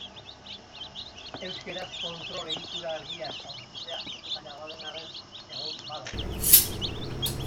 Euskaraz kontrol egitura argiak aurkitzea zailago den arren, egon badaude.